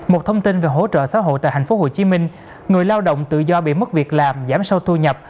một thông tin về hỗ trợ xã hội tại tp hcm người lao động tự do bị mất việc làm giảm sâu thu nhập